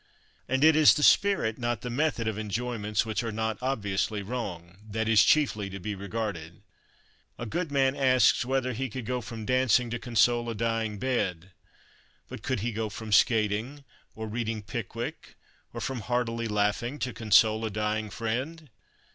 And it is the spirit, not the method, of enjoyments which are not obviously wrong, that is chiefly to be regarded. A good man asks whether he could go from dancing to console a dying bed. But could he go from skating, or reading Pickwick, or from heartily laughing, to console a dying friend?